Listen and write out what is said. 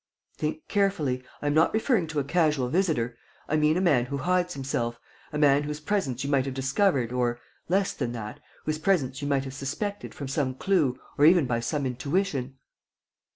"Think carefully. I'm not referring to a casual visitor. I mean a man who hides himself, a man whose presence you might have discovered or, less than that, whose presence you might have suspected from some clue or even by some intuition?"